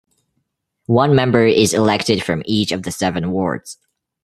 One member is elected from each of the seven wards.